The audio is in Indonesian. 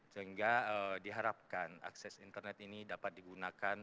sehingga diharapkan akses internet ini dapat digunakan